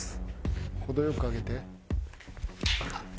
程良く上げて。